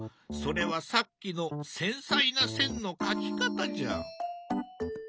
それはさっきの繊細な線の描き方じゃ。